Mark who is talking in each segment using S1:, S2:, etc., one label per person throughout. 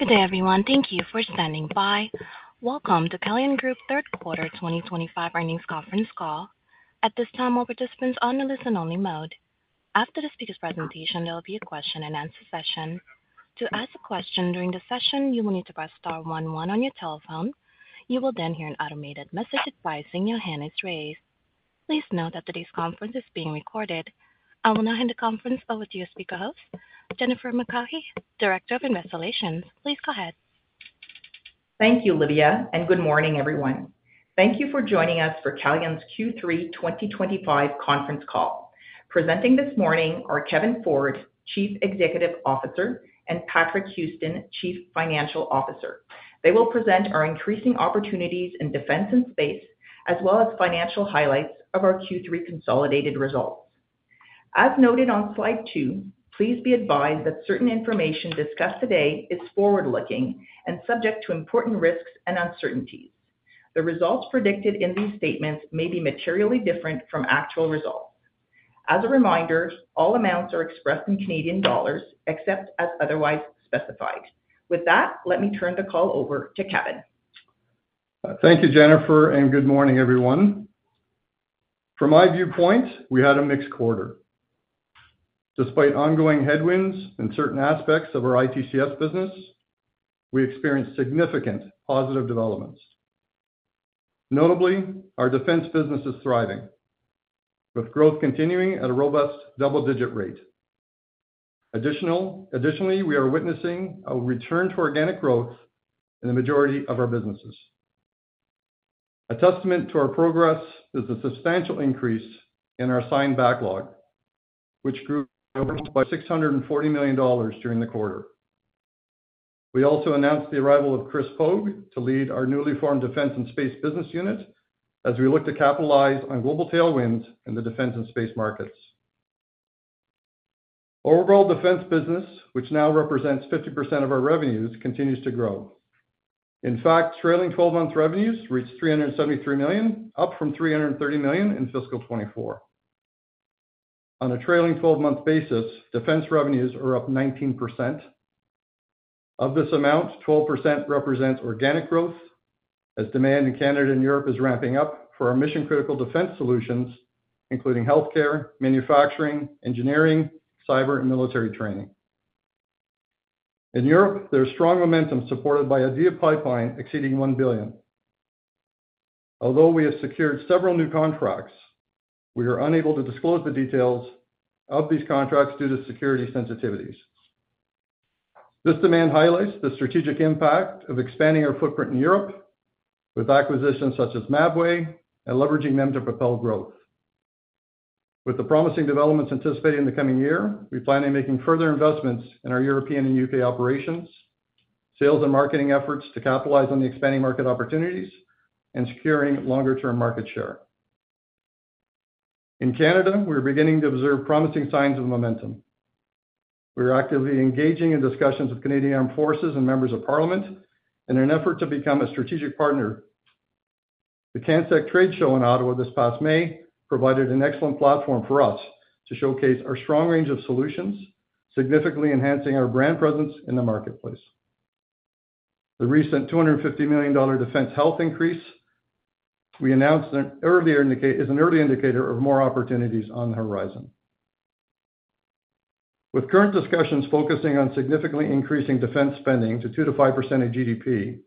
S1: Good day, everyone. Thank you for standing by. Welcome to the Calian Group Third Quarter 2025 Earnings Conference Call. At this time, all participants are on a listen-only mode. After the speaker's presentation, there will be a question and answer session. To ask a question during the session, you will need to press star one one on your telephone. You will then hear an automated message advising your hand is raised. Please note that today's conference is being recorded. I will now hand the conference over to your speaker host, Jennifer McCaughey, Director of Investor Relations. Please go ahead.
S2: Thank you, Livia, and good morning, everyone. Thank you for joining us for Calian's Q3 2025 Conference Call. Presenting this morning are Kevin Ford, Chief Executive Officer, and Patrick Houston, Chief Financial Officer. They will present our increasing opportunities in defense and space, as well as financial highlights of our Q3 consolidated results. As noted on slide two, please be advised that certain information discussed today is forward-looking and subject to important risks and uncertainties. The results predicted in these statements may be materially different from actual results. As a reminder, all amounts are expressed in Canadian dollars except as otherwise specified. With that, let me turn the call over to Kevin.
S3: Thank you, Jennifer, and good morning, everyone. From my viewpoint, we had a mixed quarter. Despite ongoing headwinds in certain aspects of our ITCS business, we experienced significant positive developments. Notably, our defense business is thriving, with growth continuing at a robust double-digit rate. Additionally, we are witnessing a return to organic growth in the majority of our businesses. A testament to our progress is the substantial increase in our signed backlog, which grew by 640 million dollars during the quarter. We also announced the arrival of Chris Pogue to lead our newly formed defense and space business unit as we look to capitalize on global tailwinds in the defense and space markets. Our overall defense business, which now represents 50% of our revenues, continues to grow. In fact, trailing 12-month revenues reached 373 million, up from 330 million in fiscal 2024. On a trailing 12-month basis, defense revenues are up 19%. Of this amount, 12% represents organic growth, as demand in Canada and Europe is ramping up for our mission-critical defense solutions, including healthcare, manufacturing, engineering, cyber, and military training. In Europe, there is strong momentum supported by a deal pipeline exceeding 1 billion. Although we have secured several new contracts, we are unable to disclose the details of these contracts due to security sensitivities. This demand highlights the strategic impact of expanding our footprint in Europe with acquisitions such as Mabway and leveraging them to propel growth. With the promising developments anticipated in the coming year, we plan on making further investments in our European and U.K. operations, sales and marketing efforts to capitalize on the expanding market opportunities, and securing longer-term market share. In Canada, we are beginning to observe promising signs of momentum. We are actively engaging in discussions with Canadian Armed Forces and members of Parliament in an effort to become a strategic partner. The CANSEC Trade Show in Ottawa this past May provided an excellent platform for us to showcase our strong range of solutions, significantly enhancing our brand presence in the marketplace. The recent 250 million dollar defense health increase we announced is an early indicator of more opportunities on the horizon. With current discussions focusing on significantly increasing defense spending to 2%-5% of GDP,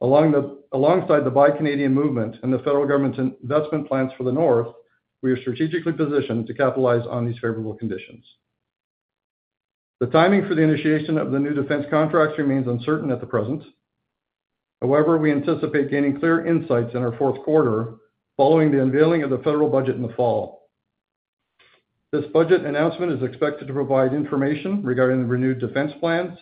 S3: alongside the Buy Canadian movement and the federal government's investment plans for the North, we are strategically positioned to capitalize on these favorable conditions. The timing for the initiation of the new defense contracts remains uncertain at the present. However, we anticipate gaining clear insights in our fourth quarter following the unveiling of the federal budget in the fall. This budget announcement is expected to provide information regarding the renewed defense plans,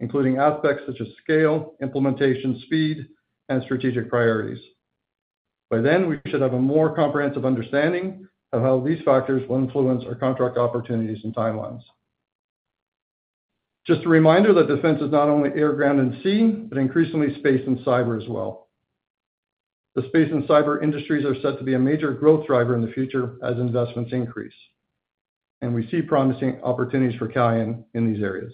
S3: including aspects such as scale, implementation, speed, and strategic priorities. By then, we should have a more comprehensive understanding of how these factors will influence our contract opportunities and timelines. Just a reminder that defense is not only air, ground, and sea, but increasingly space and cyber as well. The space and cyber industries are set to be a major growth driver in the future as investments increase, and we see promising opportunities for Calian in these areas.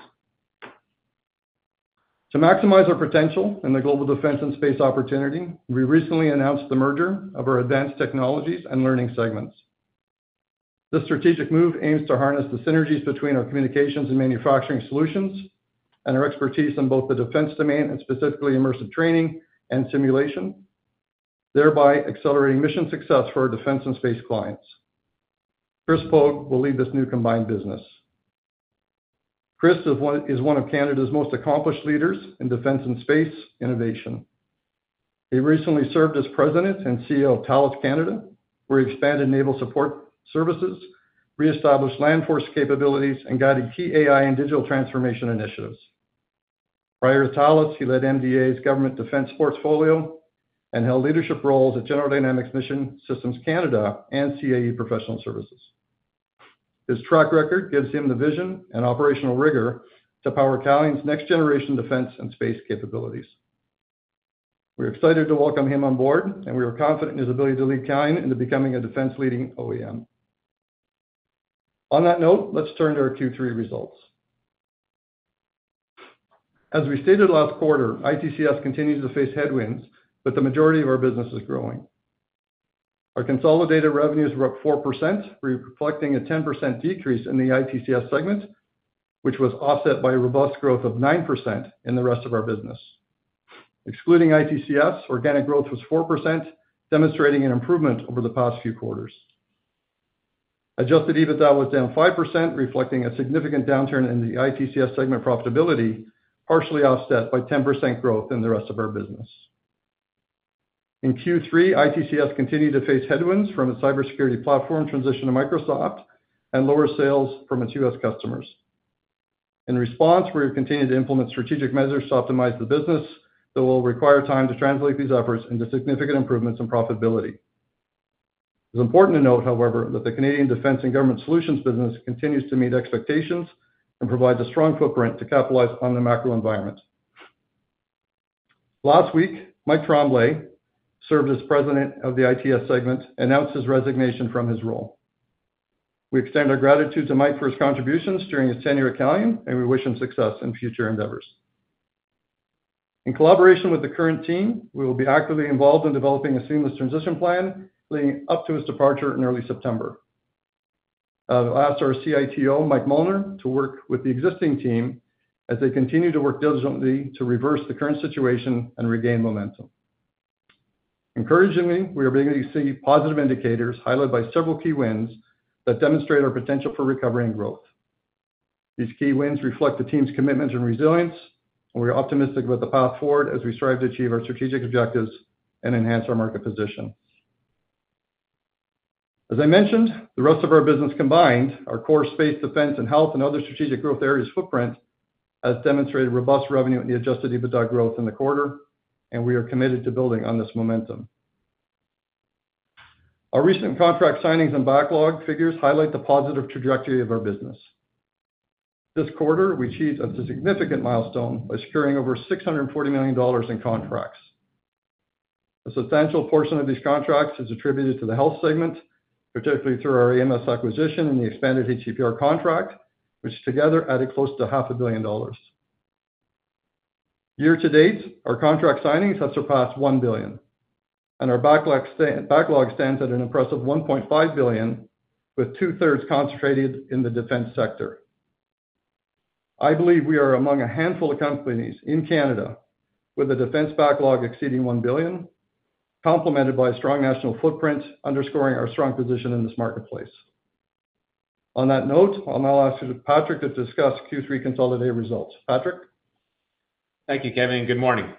S3: To maximize our potential in the global defense and space opportunity, we recently announced the merger of our advanced technologies and learning segments. This strategic move aims to harness the synergies between our communications and manufacturing solutions and our expertise in both the defense domain and specifically immersive training and simulation, thereby accelerating mission success for our defense and space clients. Chris Pogue will lead this new combined business. Chris is one of Canada's most accomplished leaders in defense and space innovation. He recently served as President and CEO of Thales Canada, where he expanded naval support services, reestablished land force capabilities, and guided key AI and digital transformation initiatives. Prior to Thales, he led MDA's government defense portfolio and held leadership roles at General Dynamics Mission Systems Canada and CAE Professional Services. His track record gives him the vision and operational rigor to power Calian's next-generation defense and space capabilities. We are excited to welcome him on board, and we are confident in his ability to lead Calian into becoming a defense-leading OEM. On that note, let's turn to our Q3 results. As we stated last quarter, ITCS continues to face headwinds, but the majority of our business is growing. Our consolidated revenues were up 4%, reflecting a 10% decrease in the ITCS segment, which was offset by a robust growth of 9% in the rest of our business. Excluding ITCS, organic growth was 4%, demonstrating an improvement over the past few quarters. Adjusted EBITDA was down 5%, reflecting a significant downturn in the ITCS segment profitability, partially offset by 10% growth in the rest of our business. In Q3, ITCS continued to face headwinds from its cybersecurity platform transition to Microsoft and lower sales from its U.S. customers. In response, we have continued to implement strategic measures to optimize the business that will require time to translate these efforts into significant improvements in profitability. It is important to note, however, that the Canadian defense and government solutions business continues to meet expectations and provides a strong footprint to capitalize on the macro environment. Last week, Mike Tremblay, who served as President of the ITCS segment, announced his resignation from his role. We extend our gratitude to Mike for his contributions during his tenure at Calian, and we wish him success in future endeavors. In collaboration with the current team, we will be actively involved in developing a seamless transition plan leading up to his departure in early September. I've asked our CITO, Mike Muldner, to work with the existing team as they continue to work diligently to reverse the current situation and regain momentum. Encouragingly, we are beginning to see positive indicators highlighted by several key wins that demonstrate our potential for recovery and growth. These key wins reflect the team's commitment and resilience, and we are optimistic about the path forward as we strive to achieve our strategic objectives and enhance our market position. As I mentioned, the rest of our business combined, our core space, defense, and health, and other strategic growth areas' footprint has demonstrated robust revenue in the adjusted EBITDA growth in the quarter, and we are committed to building on this momentum. Our recent contract signings and backlog figures highlight the positive trajectory of our business. This quarter, we achieved a significant milestone by securing over 640 million dollars in contracts. A substantial portion of these contracts is attributed to the health segment, particularly through our AMS acquisition and the expanded HCPR contract, which together added close to 500 million dollars. Year to date, our contract signings have surpassed 1 billion, and our backlog stands at an impressive 1.5 billion, with 2/3 concentrated in the defense sector. I believe we are among a handful of companies in Canada with a defense backlog exceeding 1 billion, complemented by a strong national footprint underscoring our strong position in this marketplace. On that note, I'll now ask Patrick to discuss Q3 consolidated results. Patrick?
S4: Thank you, Kevin, and good morning.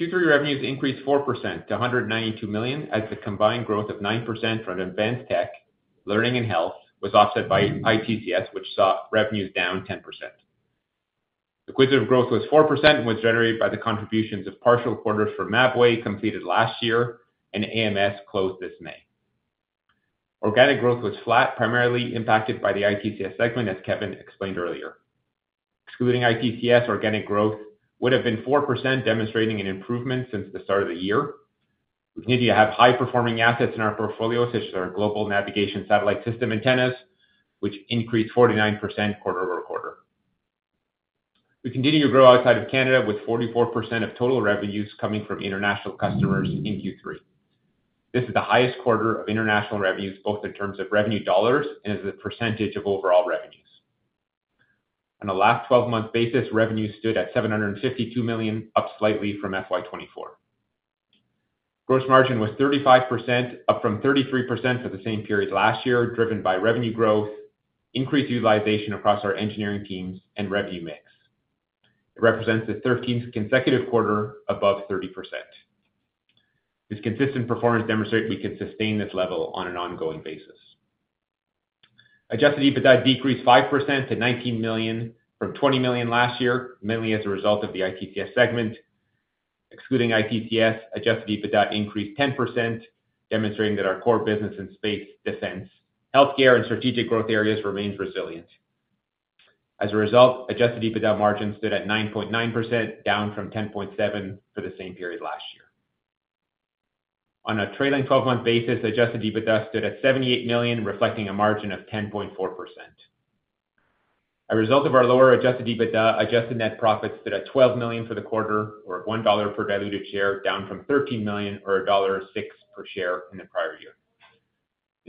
S4: Q3 revenues increased 4% to 192 million as the combined growth of 9% from advanced tech, learning, and health was offset by ITCS, which saw revenues down 10%. Equivalent growth was 4% and was generated by the contributions of partial quarters for Mabway completed last year and AMS. closed this May. Organic growth was flat, primarily impacted by the ITCS segment, as Kevin explained earlier. Excluding ITCS, organic growth would have been 4%, demonstrating an improvement since the start of the year. We continue to have high-performing assets in our portfolios, such as our global navigation satellite system antennas, which increased 49% quarter-over-quarter. We continue to grow outside of Canada, with 44% of total revenues coming from international customers in Q3. This is the highest quarter of international revenues, both in terms of revenue dollars and as a percentage of overall revenues. On a last 12-month basis, revenue stood at 752 million, up slightly from FY2024. Gross margin was 35%, up from 33% for the same period last year, driven by revenue growth, increased utilization across our engineering teams, and revenue mix. It represents the 13th consecutive quarter above 30%. This consistent performance demonstrates we can sustain this level on an ongoing basis. Adjusted EBITDA decreased 5% to 19 million from 20 million last year, mainly as a result of the ITCS segment. Excluding ITCS, adjusted EBITDA increased 10%, demonstrating that our core business in space descends. Healthcare and strategic growth areas remain resilient. As a result, adjusted EBITDA margins stood at 9.9%, down from 10.7% for the same period last year. On a trailing 12-month basis, adjusted EBITDA stood at 78 million, reflecting a margin of 10.4%. A result of our lower adjusted EBITDA, adjusted net profits stood at 12 million for the quarter, or 1 dollar per diluted share, down from 13 million or dollar 1.06 per share in the prior year.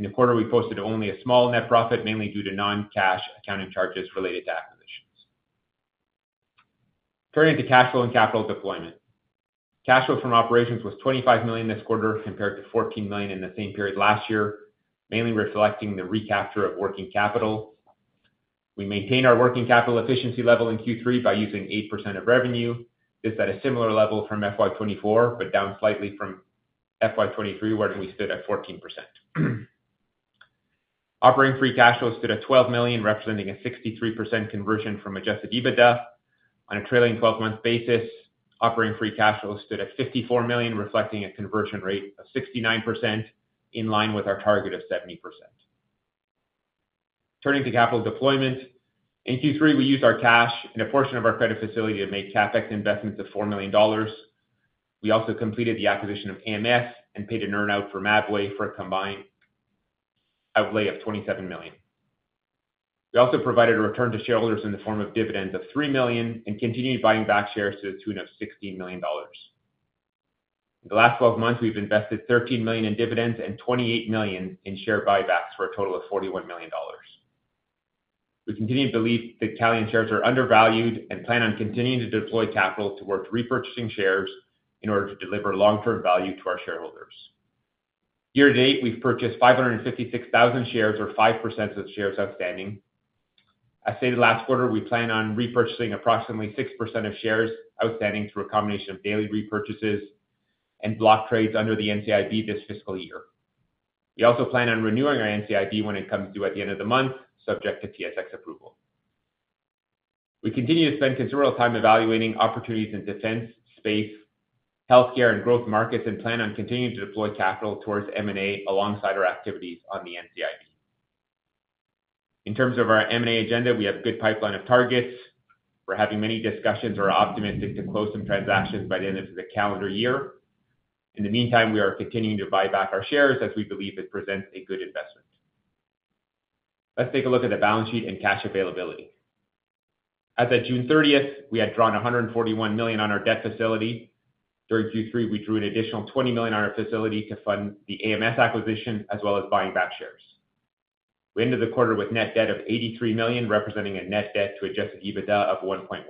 S4: In the quarter, we posted only a small net profit, mainly due to non-cash accounting charges related to acquisitions. Turning to cash flow and capital deployment, cash flow from operations was 25 million this quarter compared to 14 million in the same period last year, mainly reflecting the recapture of working capital. We maintained our working capital efficiency level in Q3 by using 8% of revenue. This is at a similar level from FY2024, but down slightly from FY2023, where we stood at 14%. Operating free cash flow stood at 12 million, representing a 63% conversion from adjusted EBITDA. On a trailing 12-month basis, operating free cash flow stood at 54 million, reflecting a conversion rate of 69%, in line with our target of 70%. Turning to capital deployment, in Q3, we used our cash and a portion of our credit facility to make CapEx investments of 4 million dollars. We also completed the acquisition of AMS and paid an earn-out for Mabway for a combined outlay of 27 million. We also provided a return to shareholders in the form of dividends of 3 million and continued buying back shares to the tune of 16 million dollars. In the last 12 months, we've invested 13 million in dividends and 28 million in share buybacks for a total of 41 million dollars. We continue to believe that Calian shares are undervalued and plan on continuing to deploy capital towards repurchasing shares in order to deliver long-term value to our shareholders. Year to date, we've purchased 556,000 shares, or 5% of shares outstanding. As stated last quarter, we plan on repurchasing approximately 6% of shares outstanding through a combination of daily repurchases and block trades under the NTIB this fiscal year. We also plan on renewing our NTIB when it comes due at the end of the month, subject to TSX approval. We continue to spend considerable time evaluating opportunities in defense, space, healthcare, and growth markets and plan on continuing to deploy capital towards M&A alongside our activities on the NTIB. In terms of our M&A agenda, we have a good pipeline of targets. We're having many discussions and are optimistic to close some transactions by the end of the calendar year. In the meantime, we are continuing to buy back our shares as we believe it presents a good investment. Let's take a look at the balance sheet and cash availability. As of June 30th, we had drawn 141 million on our debt facility. During Q3, we drew an additional 20 million on our facility to fund the AMS acquisition, as well as buying back shares. We ended the quarter with net debt of 83 million, representing a net debt to adjusted EBITDA of 1.1.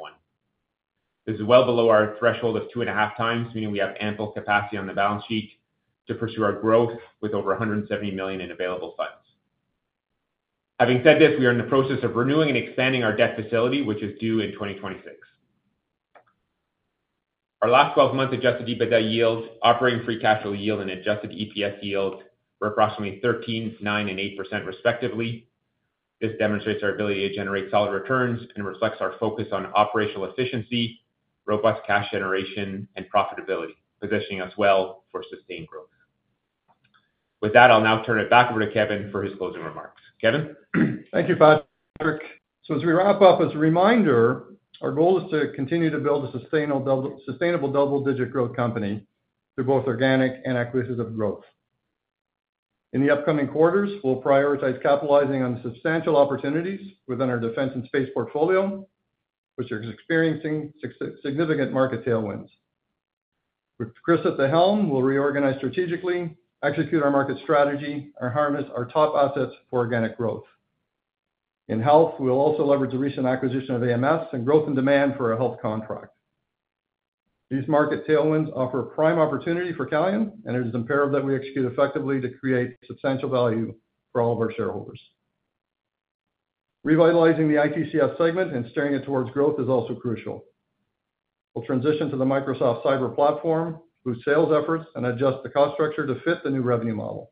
S4: This is well below our threshold of 2.5x, meaning we have ample capacity on the balance sheet to pursue our growth with over 170 million in available funds. Having said this, we are in the process of renewing and expanding our debt facility, which is due in 2026. Our last 12-month adjusted EBITDA yield, operating free cash flow yield, and adjusted EPS yield were approximately 13%, 9%, and 8% respectively. This demonstrates our ability to generate solid returns and reflects our focus on operational efficiency, robust cash generation, and profitability, positioning us well for sustained growth. With that, I'll now turn it back over to Kevin for his closing remarks. Kevin?
S3: Thank you, Patrick. As we wrap up, as a reminder, our goal is to continue to build a sustainable double-digit growth company through both organic and acquisitive growth. In the upcoming quarters, we'll prioritize capitalizing on the substantial opportunities within our defense and space portfolio, which are experiencing significant market tailwinds. With Chris at the helm, we'll reorganize strategically, execute our market strategy, and harness our top assets for organic growth. In health, we'll also leverage the recent acquisition of AMS and growth in demand for a health contract. These market tailwinds offer a prime opportunity for Calian, and it is imperative that we execute effectively to create substantial value for all of our shareholders. Revitalizing the ITCS segment and steering it towards growth is also crucial. We'll transition to the Microsoft cybersecurity platform, boost sales efforts, and adjust the cost structure to fit the new revenue model.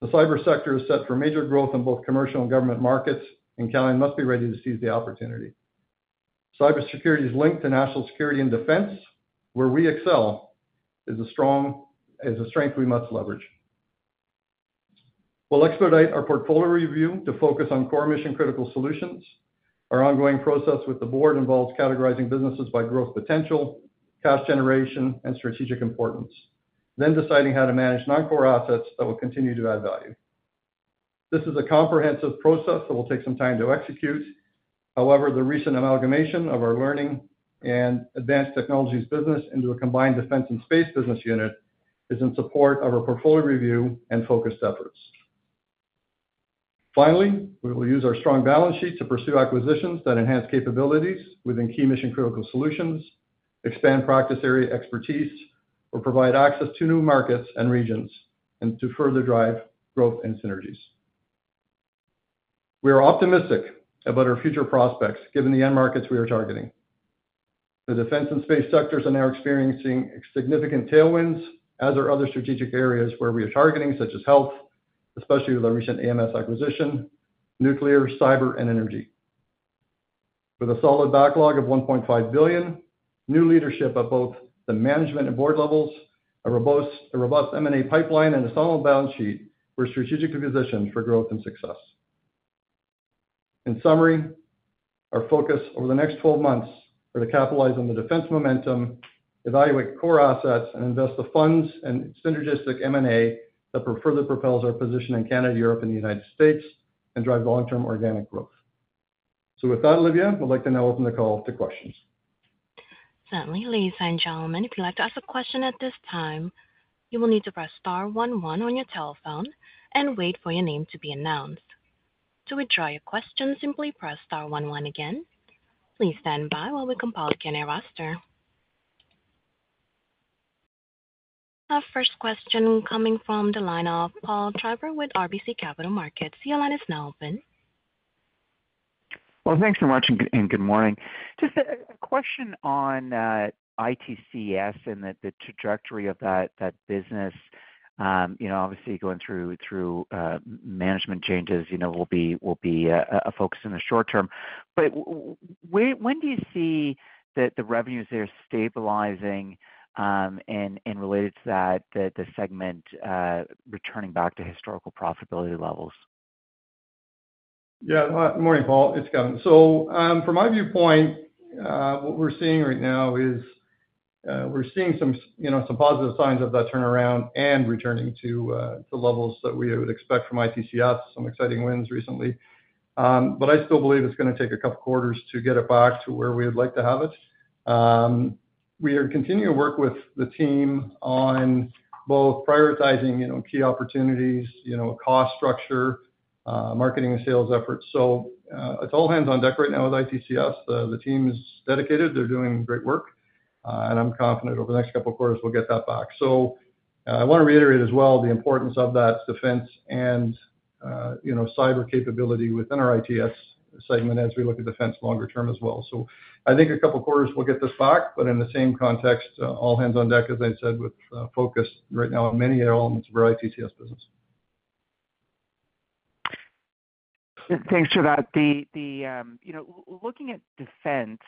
S3: The cyber sector is set for major growth in both commercial and government markets, and Calian must be ready to seize the opportunity. Cybersecurity is linked to national security and defense. Where we excel is a strong strength we must leverage. We'll expedite our portfolio review to focus on core mission-critical solutions. Our ongoing process with the board involves categorizing businesses by growth potential, cash generation, and strategic importance, then deciding how to manage non-core assets that will continue to add value. This is a comprehensive process that will take some time to execute. However, the recent amalgamation of our learning and advanced technologies business into a combined defense and space business unit is in support of our portfolio review and focused efforts. Finally, we will use our strong balance sheet to pursue acquisitions that enhance capabilities within key mission-critical solutions, expand practice area expertise, or provide access to new markets and regions to further drive growth and synergies. We are optimistic about our future prospects given the end markets we are targeting. The defense and space sectors are now experiencing significant tailwinds, as are other strategic areas where we are targeting, such as health, especially with our recent AMS acquisition, nuclear, cyber, and energy. With a solid backlog of 1.5 billion, new leadership at both the management and board levels, a robust M&A pipeline, and a solid balance sheet, we're strategically positioned for growth and success. In summary, our focus over the next 12 months is to capitalize on the defense momentum, evaluate core assets, and invest the funds in synergistic M&A that further propels our position in Canada, Europe, and the United States and drives long-term organic growth. With that, Livia, I would like to now open the call to questions.
S1: Certainly, ladies and gentlemen, if you'd like to ask a question at this time, you will need to press star one one on your telephone and wait for your name to be announced. To withdraw your question, simply press star one one again. Please stand by while we compile the Q&A roster. Our first question coming from the line of Paul Treiber with RBC Capital Markets. Your line is now open.
S5: Thank you very much, and good morning. Just a question on ITCS and the trajectory of that business. Obviously, going through management changes will be a focus in the short term. When do you see the revenues there stabilizing, and related to that, the segment returning back to historical profitability levels?
S3: Yeah, good morning, Paul. It's Kevin. From my viewpoint, what we're seeing right now is we're seeing some positive signs of that turnaround and returning to the levels that we would expect from ITCS, some exciting wins recently. I still believe it's going to take a couple of quarters to get it back to where we would like to have it. We are continuing to work with the team on both prioritizing key opportunities, cost structure, marketing, and sales efforts. It's all hands on deck right now with ITCS. The team is dedicated. They're doing great work. I'm confident over the next couple of quarters we'll get that back. I want to reiterate as well the importance of that defense and cyber capability within our ITCS segment as we look at defense longer term as well. I think a couple of quarters we'll get this back, but in the same context, all hands on deck, as I said, with focus right now on many elements of our ITCS business.
S5: Thanks for that. Looking at defense,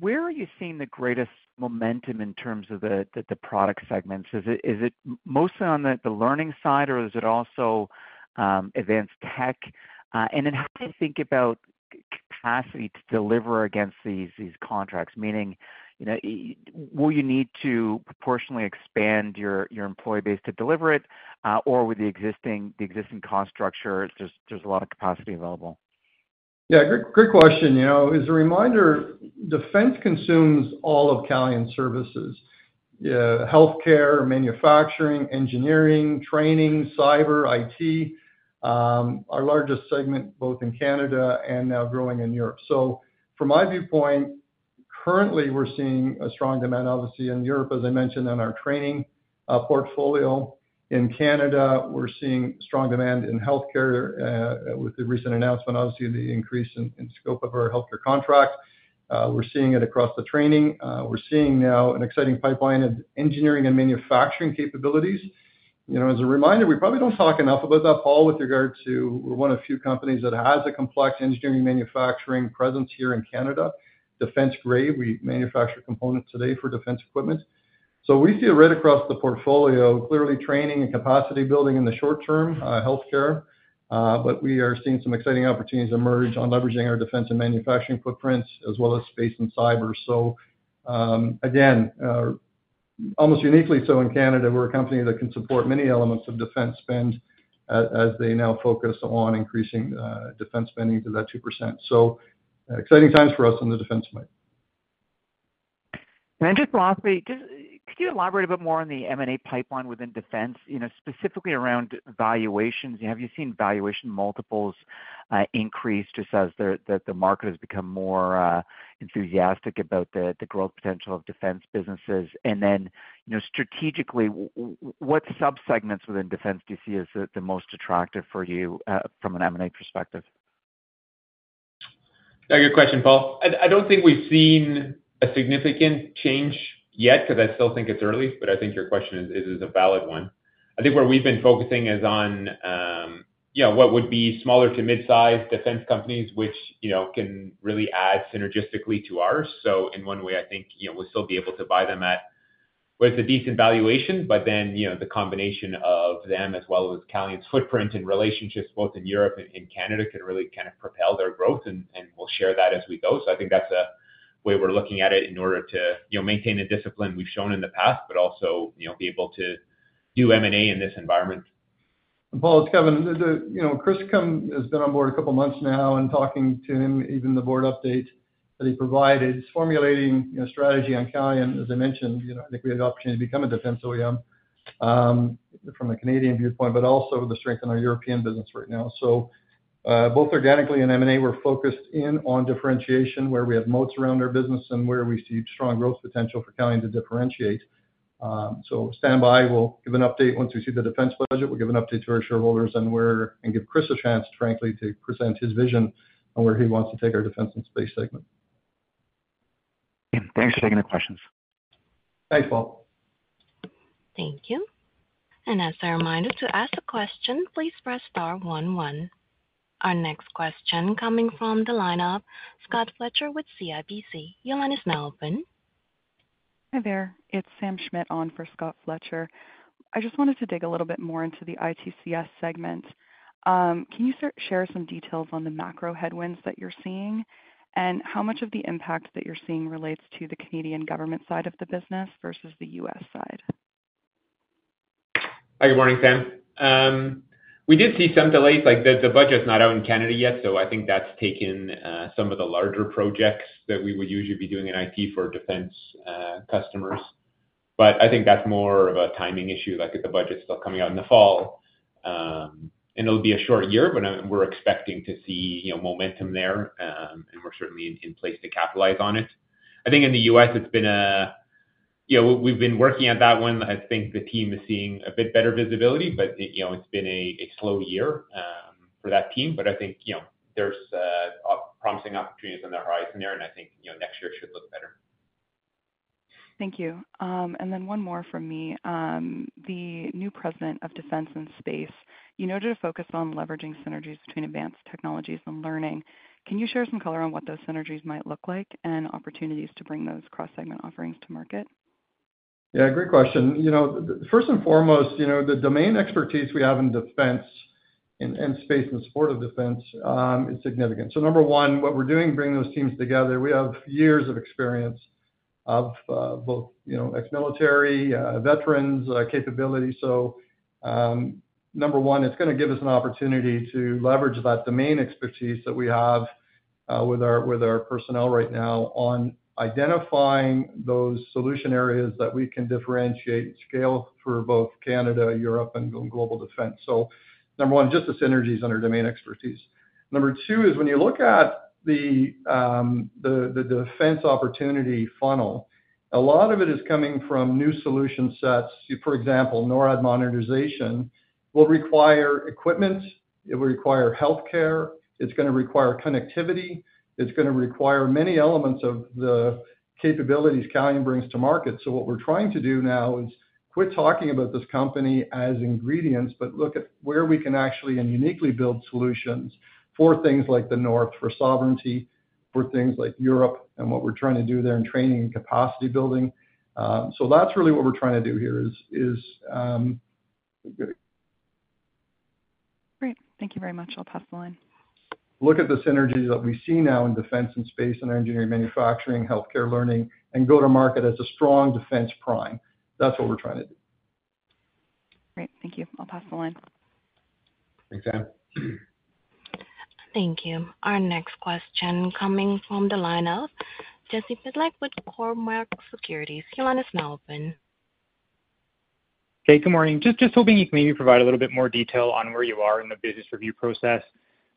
S5: where are you seeing the greatest momentum in terms of the product segments? Is it mostly on the learning side, or is it also advanced tech? How do you think about the capacity to deliver against these contracts? Meaning, will you need to proportionally expand your employee base to deliver it, or with the existing cost structure, there's a lot of capacity available?
S3: Yeah, great question. You know, as a reminder, defense consumes all of Calian's services. Healthcare, manufacturing, engineering, training, cyber, IT, our largest segment both in Canada and now growing in Europe. From my viewpoint, currently we're seeing a strong demand, obviously, in Europe, as I mentioned, in our training portfolio. In Canada, we're seeing strong demand in healthcare with the recent announcement, obviously, the increase in the scope of our healthcare contracts. We're seeing it across the training. We're seeing now an exciting pipeline in engineering and manufacturing capabilities. You know, as a reminder, we probably don't talk enough about that, Paul, with regard to one of the few companies that has a complex engineering manufacturing presence here in Canada, [Defence Grade]. We manufacture components today for defense equipment. We see it right across the portfolio, clearly training and capacity building in the short term, healthcare. We are seeing some exciting opportunities emerge on leveraging our defense and manufacturing footprints, as well as space and cyber. Again, almost uniquely so in Canada, we're a company that can support many elements of defense spend as they now focus on increasing defense spending to that 2%. Exciting times for us on the defense side.
S5: Lastly, could you elaborate a bit more on the M&A pipeline within defense, specifically around valuations? Have you seen valuation multiples increase just as the market has become more enthusiastic about the growth potential of defense businesses? Strategically, what subsegments within defense do you see as the most attractive for you from an M&A perspective? Yeah.
S4: Good question, Paul. I don't think we've seen a significant change yet because I still think it's early, but I think your question is a valid one. Where we've been focusing is on what would be smaller to mid-sized defense companies, which can really add synergistically to ours. In one way, I think we'll still be able to buy them at, well, it's a decent valuation, but then the combination of them as well as Calian's footprint and relationships both in Europe and Canada could really kind of propel their growth, and we'll share that as we go. I think that's a way we're looking at it in order to maintain a discipline we've shown in the past, but also be able to do M&A in this environment.
S3: Paul, it's Kevin. You know, Chris has been on board a couple of months now, and talking to him, even the board update that he provided, he's formulating a strategy on Calian. As I mentioned, I think we had an opportunity to become a defense OEM from the Canadian viewpoint, but also the strength in our European business right now. Both organically and M&A, we're focused in on differentiation where we have moats around our business and where we see strong growth potential for Calian to differentiate. Stand by. We'll give an update once we see the defense budget. We'll give an update to our shareholders and give Chris a chance, frankly, to present his vision on where he wants to take our defense and space segment.
S5: Thanks for taking the questions.
S3: Thanks, Paul.
S1: Thank you. As a reminder, to ask a question, please press star one one. Our next question coming from the line of Scott Fletcher with CIBC. Your line is now open.
S6: Hi there. It's Sam Schmidt on for Scott Fletcher. I just wanted to dig a little bit more into the ITCS segment. Can you share some details on the macro headwinds that you're seeing, and how much of the impact that you're seeing relates to the Canadian government side of the business versus the U.S. side?
S4: Hi, good morning, Sam. We did see some delays, like the budget's not out in Canada yet. I think that's taken some of the larger projects that we would usually be doing in IT for defense customers. I think that's more of a timing issue, like if the budget's still coming out in the fall. It'll be a short year, but we're expecting to see momentum there, and we're certainly in place to capitalize on it. I think in the U.S., we've been working at that one. I think the team is seeing a bit better visibility, but it's been a slow year for that team. I think there's promising opportunities in their horizon there, and I think next year should look better.
S6: Thank you. One more from me. The new President of Defense and Space, you noted a focus on leveraging synergies between advanced technologies and learning. Can you share some color on what those synergies might look like and opportunities to bring those cross-segment offerings to market?
S3: Yeah, great question. First and foremost, the domain expertise we have in defense and space and the support of defense is significant. Number one, what we're doing is bringing those teams together. We have years of experience of both ex-military, veterans, capability. Number one, it's going to give us an opportunity to leverage that domain expertise that we have with our personnel right now on identifying those solution areas that we can differentiate and scale through both Canada, Europe, and global defense. Number one, just the synergies under domain expertise. Number two is when you look at the defense opportunity funnel, a lot of it is coming from new solution sets. For example, NORAD monetization will require equipment. It will require healthcare. It's going to require connectivity. It's going to require many elements of the capabilities Calian brings to market. What we're trying to do now is quit talking about this company as ingredients, but look at where we can actually and uniquely build solutions for things like the North, for sovereignty, for things like Europe, and what we're trying to do there in training and capacity building. That's really what we're trying to do here.
S6: Great. Thank you very much. I'll pass the line.
S3: Look at the synergies that we see now in defense and space, and our engineering, manufacturing, healthcare, learning, and go to market as a strong defense prime. That's what we're trying to do.
S6: Great. Thank you. I'll pass the line.
S4: Thanks, Sam.
S1: Thank you. Our next question coming from the line of Jesse Pytlak with Cormark Securities. Your line is now open.
S7: Hey, good morning. Just hoping you can maybe provide a little bit more detail on where you are in the business review process.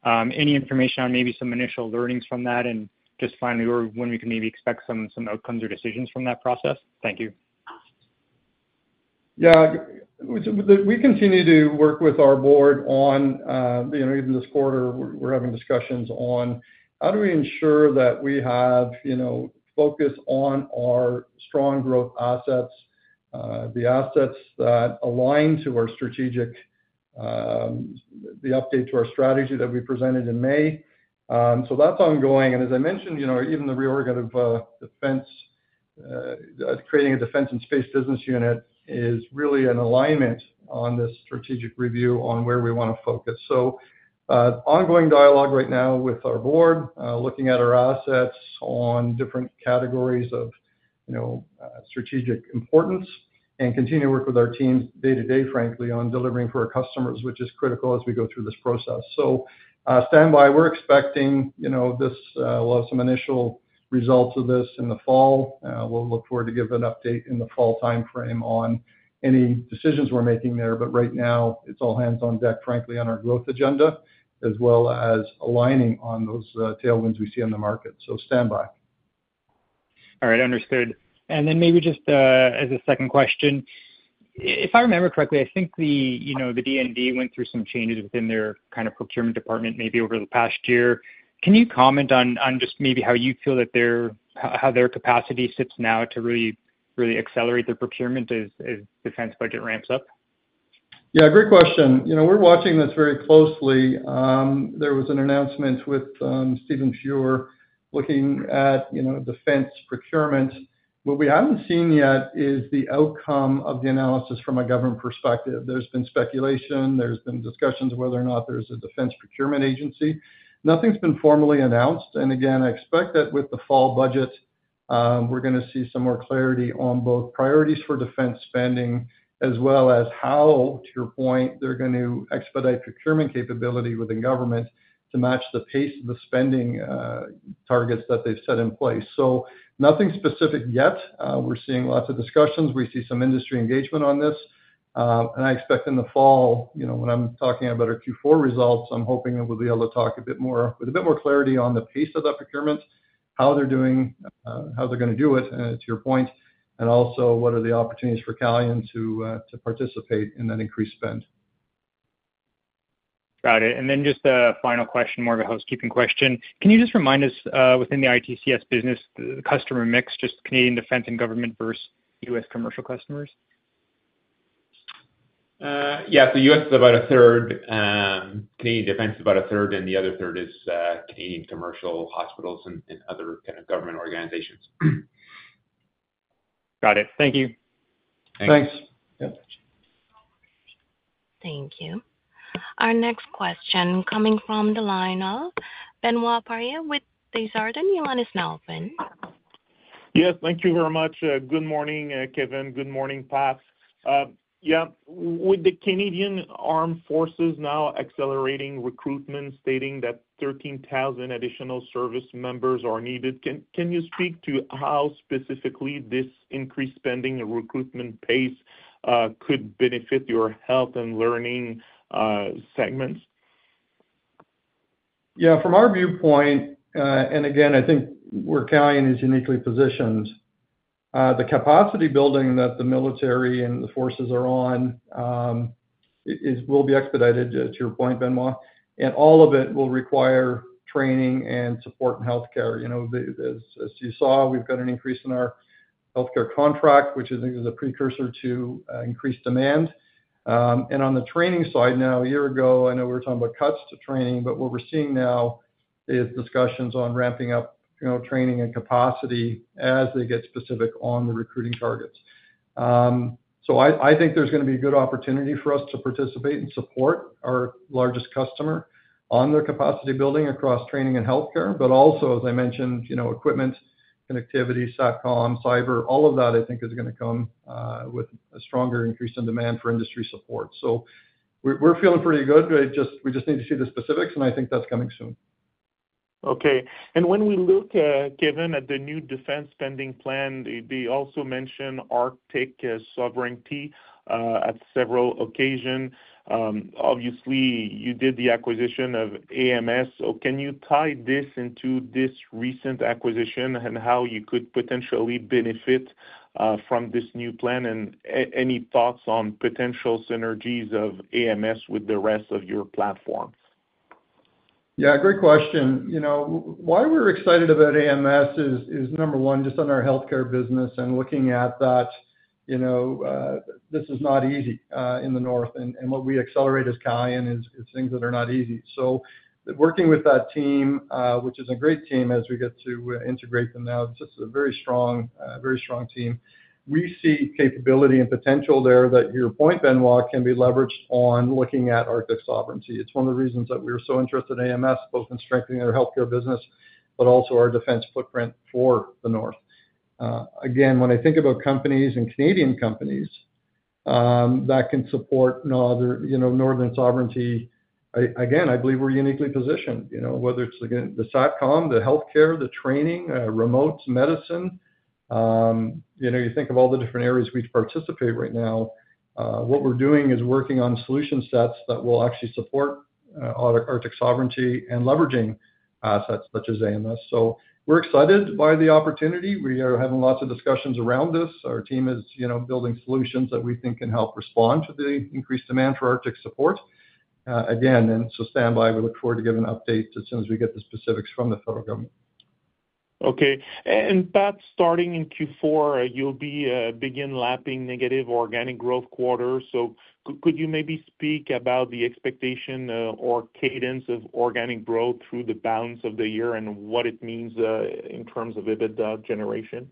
S7: Any information on maybe some initial learnings from that and just finally when we can maybe expect some outcomes or decisions from that process? Thank you.
S3: We continue to work with our board on, even this quarter, we're having discussions on how do we ensure that we have focus on our strong growth assets, the assets that align to our strategic, the update to our strategy that we presented in May. That's ongoing. As I mentioned, even the reorg of defense, creating a defense and space business unit is really an alignment on this strategic review on where we want to focus. Ongoing dialogue right now with our board, looking at our assets on different categories of strategic importance and continue to work with our teams day to day, frankly, on delivering for our customers, which is critical as we go through this process. Stand by. We're expecting this, we'll have some initial results of this in the fall. We'll look forward to giving an update in the fall timeframe on any decisions we're making there. Right now, it's all hands on deck, frankly, on our growth agenda, as well as aligning on those tailwinds we see in the market. Stand by.
S7: All right, understood. Maybe just as a second question, if I remember correctly, I think the, you know, the DND went through some changes within their kind of procurement department maybe over the past year. Can you comment on just maybe how you feel that their, how their capacity sits now to really, really accelerate their procurement as defense budget ramps up?
S3: Yeah, great question. We're watching this very closely. There was an announcement with [Steven Fewer] looking at defense procurement. What we haven't seen yet is the outcome of the analysis from a government perspective. There's been speculation. There's been discussions of whether or not there's a defense procurement agency. Nothing's been formally announced. I expect that with the fall budget, we're going to see some more clarity on both priorities for defense spending, as well as how, to your point, they're going to expedite procurement capability within government to match the pace of the spending targets that they've set in place. Nothing specific yet. We're seeing lots of discussions. We see some industry engagement on this. I expect in the fall, when I'm talking about our Q4 results, I'm hoping we'll be able to talk a bit more with a bit more clarity on the pace of that procurement, how they're doing, how they're going to do it, to your point, and also what are the opportunities for Calian to participate in that increased spend.
S7: Got it. Just a final question, more of a housekeeping question. Can you just remind us within the ITCS business, the customer mix, just Canadian defense and government versus U.S. commercial customers?
S4: U.S. is about 1/3, Canadian defense is about 1/3, and the other 1/3 is Canadian commercial hospitals and other kind of government organizations.
S7: Got it. Thank you.
S3: Thanks.
S1: Thank you. Our next question coming from the line of Benoit Poirier with Desjardins. Your line is now open.
S8: Yes, thank you very much. Good morning, Kevin. Good morning, Pat. With the Canadian Armed Forces now accelerating recruitment, stating that 13,000 additional service members are needed, can you speak to how specifically this increased spending and recruitment pace could benefit your health and learning segments?
S3: Yeah, from our viewpoint, and again, I think where Calian is uniquely positioned, the capacity building that the military and the forces are on will be expedited, to your point, Benoit, and all of it will require training and support in healthcare. As you saw, we've got an increase in our healthcare contract, which I think is a precursor to increased demand. On the training side, a year ago, I know we were talking about cuts to training, but what we're seeing now is discussions on ramping up training and capacity as they get specific on the recruiting targets. I think there's going to be a good opportunity for us to participate and support our largest customer on their capacity building across training and healthcare, but also, as I mentioned, equipment, connectivity, SATCOM, cyber, all of that, I think, is going to come with a stronger increase in demand for industry support. We're feeling pretty good. We just need to see the specifics, and I think that's coming soon.
S8: Okay. When we look, Kevin, at the new defense spending plan, they also mentioned Arctic sovereignty at several occasions. Obviously, you did the acquisition of AMS. Can you tie this into this recent acquisition and how you could potentially benefit from this new plan? Any thoughts on potential synergies of AMS with the rest of your platform?
S3: Yeah, great question. You know, why we're excited about AMS is, number one, just on our healthcare business and looking at that, you know, this is not easy in the North, and what we accelerate as Calian is things that are not easy. Working with that team, which is a great team as we get to integrate them now, just a very strong, very strong team, we see capability and potential there that, to your point, Benoit, can be leveraged on looking at Arctic sovereignty. It's one of the reasons that we were so interested in AMS, both in strengthening our healthcare business, but also our defense footprint for the North. Again, when I think about companies and Canadian companies that can support, you know, northern sovereignty, again, I believe we're uniquely positioned, you know, whether it's, again, the SATCOM, the healthcare, the training, remote medicine. You know, you think of all the different areas we participate in right now. What we're doing is working on solution sets that will actually support Arctic sovereignty and leveraging assets such as AMS. We're excited by the opportunity. We are having lots of discussions around this. Our team is building solutions that we think can help respond to the increased demand for Arctic support. Again, stand by. We look forward to giving an update as soon as we get the specifics from the federal government.
S8: Okay. Pat, starting in Q4, you'll begin lapping negative organic growth quarters. Could you maybe speak about the expectation or cadence of organic growth through the balance of the year and what it means in terms of EBITDA generation?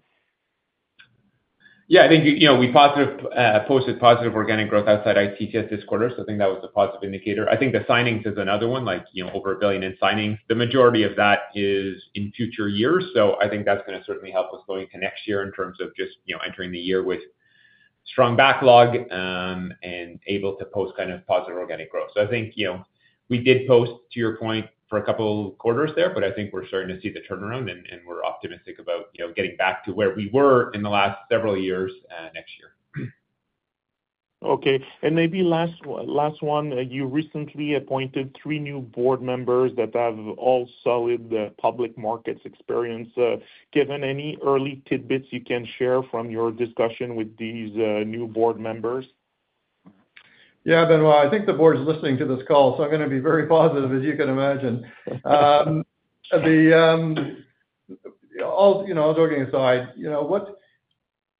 S4: Yeah, I think we posted positive organic growth outside ITCS this quarter. I think that was a positive indicator. The signings is another one, like over 1 billion in signings. The majority of that is in future years. I think that's going to certainly help us go into next year in terms of just entering the year with a strong backlog and able to post kind of positive organic growth. We did post, to your point, for a couple of quarters there, but I think we're starting to see the turnaround and we're optimistic about getting back to where we were in the last several years next year.
S8: Okay. Maybe last one, you recently appointed three new board members that have all solid public markets experience. Kevin, any early tidbits you can share from your discussion with these new board members?
S3: Yeah, Benoit, I think the board's listening to this call. I'm going to be very positive, as you can imagine. All joking aside,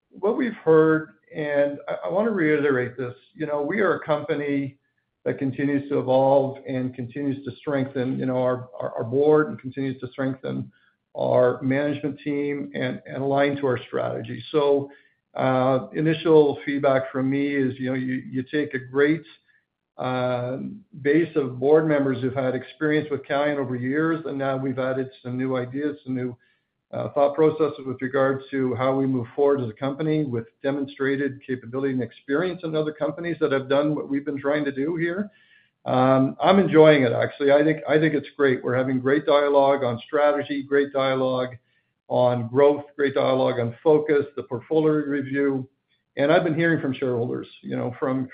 S3: what we've heard, and I want to reiterate this, we are a company that continues to evolve and continues to strengthen our board and continues to strengthen our management team and align to our strategy. Initial feedback from me is, you take a great base of board members who've had experience with Calian over years, and now we've added some new ideas, some new thought processes with regard to how we move forward as a company with demonstrated capability and experience in other companies that have done what we've been trying to do here. I'm enjoying it, actually. I think it's great. We're having great dialogue on strategy, great dialogue on growth, great dialogue on focus, the portfolio review, and I've been hearing from shareholders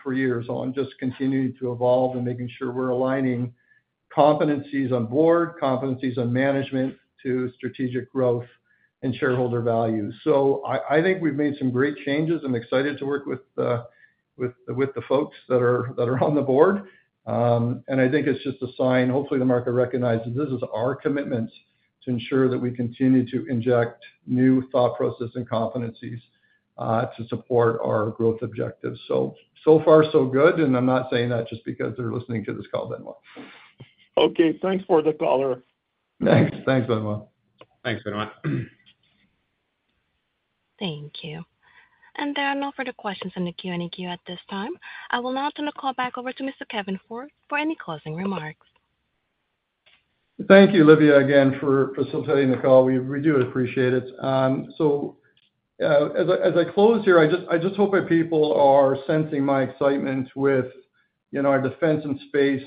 S3: for years on just continuing to evolve and making sure we're aligning competencies on board, competencies on management to strategic growth and shareholder values. I think we've made some great changes. I'm excited to work with the folks that are on the board. I think it's just a sign, hopefully, the market recognizes this is our commitment to ensure that we continue to inject new thought processes and competencies to support our growth objectives. So far, so good. I'm not saying that just because they're listening to this call, Benoit.
S8: Okay. Thanks for the color.
S3: Thanks. Thanks, Benoit.
S4: Thanks, Benoit.
S1: Thank you. There are no further questions in the Q&A queue at this time. I will now turn the call back over to Mr. Kevin Ford for any closing remarks.
S3: Thank you, Livia, again, for facilitating the call. We do appreciate it. As I close here, I just hope that people are sensing my excitement with, you know, our defense and space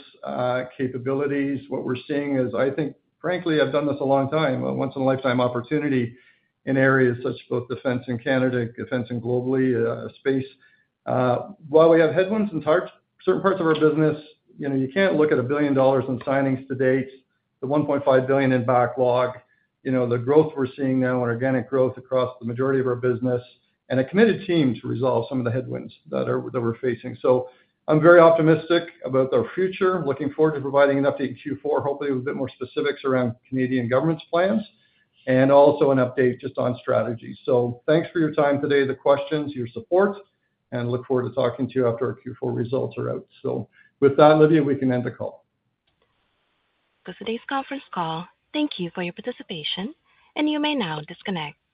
S3: capabilities. What we're seeing is, I think, frankly, I've done this a long time, a once-in-a-lifetime opportunity in areas such as both defense in Canada, defense globally, space. While we have headwinds in certain parts of our business, you know, you can't look at 1 billion dollars in signings to date, the 1.5 billion in backlog, the growth we're seeing now in organic growth across the majority of our business, and a committed team to resolve some of the headwinds that we're facing. I'm very optimistic about our future, looking forward to providing an update in Q4, hopefully with a bit more specifics around Canadian government's plans and also an update just on strategy. Thanks for your time today, the questions, your support, and look forward to talking to you after our Q4 results are out. With that, Livia, we can end the call.
S1: This is today's conference call. Thank you for your participation, and you may now disconnect.